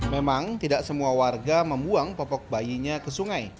memang tidak semua warga membuang popok bayinya ke sungai